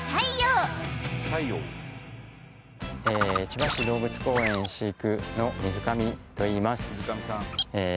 千葉市動物公園飼育員の水上といいますえ